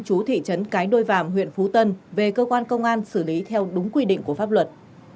chú thị trấn cái đôi vàm huyện phú tân về cơ quan công an xử lý theo đúng quy định của pháp luật